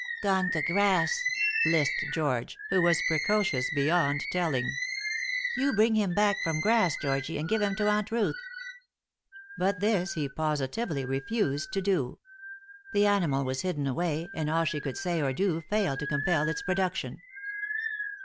"Gone to grass," lisped George, who was precocious beyond telling. "You bring him back from grass, Georgie, and give him to Aunt Ruth." But this he positively refused to do. The animal was hidden away, and all she could say or do failed to compel its production.